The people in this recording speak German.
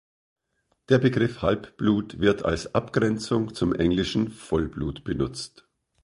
Der Begriff Halbblut wird als Abgrenzung zum englischen Vollblut benutzt.